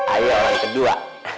ayo orang kedua